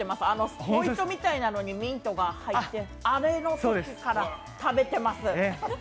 スポイトみたいなのにミントが入ってて、あれのときから食べてます！